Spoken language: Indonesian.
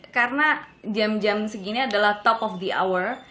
karena jam jam segini adalah top of the hour